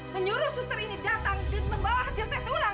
menyuruh suster ini datang dan membawa hasil tes ulang